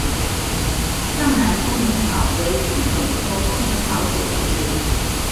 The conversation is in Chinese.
藏南风铃草为桔梗科风铃草属的植物。